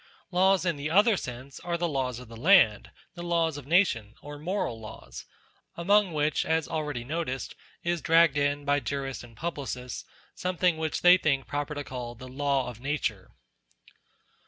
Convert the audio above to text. Laws in the other sense are the laws of the land, the law of nations, or moral laws ; among which, as already noticed, is dragged in, by jurists and publi cists, something which they think proper to call the Law of Nature.